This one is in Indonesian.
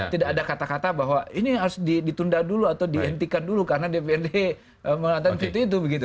tidak ada kata kata bahwa ini harus ditunda dulu atau dihentikan dulu karena dprd mengatakan pintu itu begitu